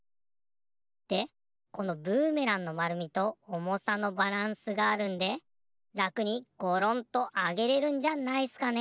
でこのブーメランのまるみとおもさのバランスがあるんでらくにゴロンとあげれるんじゃないっすかね。